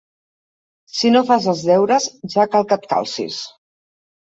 Si no fas els deures, ja cal que et calcis!